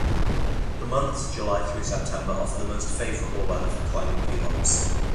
The months July through September offer the most favorable weather for climbing Pelops.